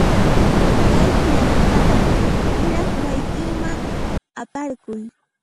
Kay qillqasqata kuraq wayqiykiman aparquy.